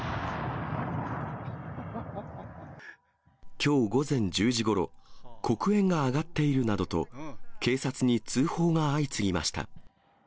きょう午前１０時ごろ、黒煙が上がっているなどと、警察に通報が相次ぎました。